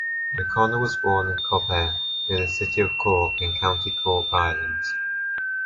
O'Connor was born in Cobh, near the city of Cork, in County Cork, Ireland.